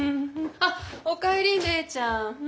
あっお帰り芽依ちゃん。